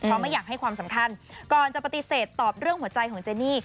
เพราะไม่อยากให้ความสำคัญก่อนจะปฏิเสธตอบเรื่องหัวใจของเจนี่